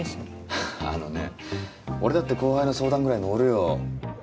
ははっあのね俺だって後輩の相談ぐらい乗るよ。